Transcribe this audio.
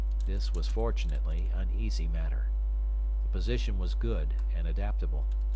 This was fortunately an easy matter. The position was good and adaptable.